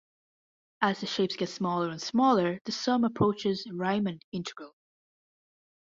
As the shapes get smaller and smaller, the sum approaches the Riemann integral.